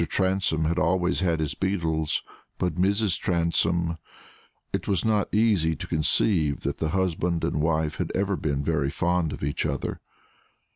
Transome had always had his beetles, but Mrs. Transome ? it was not easy to conceive that the husband and wife had ever been very fond of each other.